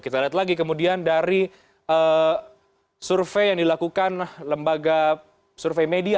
kita lihat lagi kemudian dari survei yang dilakukan lembaga survei media